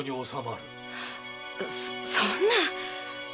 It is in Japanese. そんな！